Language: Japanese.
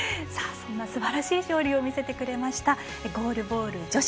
そんなすばらしい勝利を見せてくれましたゴールボール女子